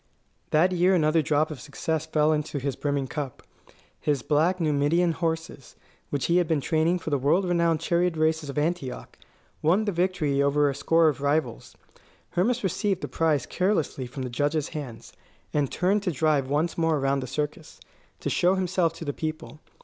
That year another drop of success fell into his brimming cup. His black Numidian horses, which he had been training for the world renowned chariot races of Antioch, won the victory over a score of rivals. Hermas received the prize carelessly from the judge's hands, and turned to drive once more around the circus, to show himself to the people.